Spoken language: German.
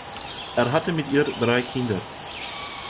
Er hatte mit ihr drei Kinder.